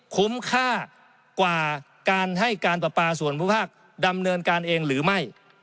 คุ้มค่ากว่าการให้การประปาส่วนภูมิภาคดำเนินการเองหรือไม่